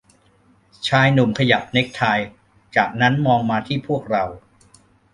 ชายหนุ่มขยับเนคไท จากนั้นมองมาที่พวกเรา